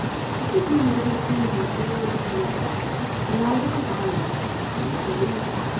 He quickly made the acquaintance of all and sundry. The life of the island is pleasant and easy.